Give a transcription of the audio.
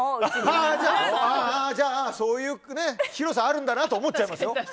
じゃあ、そういう広さあるんだなって思っちゃいますよ。